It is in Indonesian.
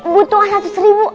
butuhan seratus ribu